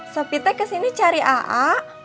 sopi teh kesini cari a'a